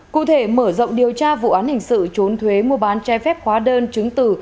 cụ thể mở rộng điều tra vụ án hình sự trốn thuế mua bán trái phép hóa đơn chứng từ